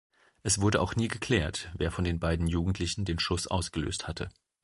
Es wurde auch nie geklärt, wer von den beiden Jugendlichen den Schuss ausgelöst hatte.